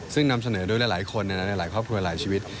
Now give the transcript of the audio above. ซึ่งนำเสนอด้วยหลายคนในหลายครอบครัวหลายชีวิต